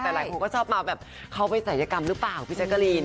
แต่หลายคนก็ชอบมาแบบเขาไปศัยกรรมหรือเปล่าพี่แจ๊กกะรีน